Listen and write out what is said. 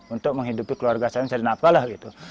untuk menghidupi keluarga saya yang sedang nafalah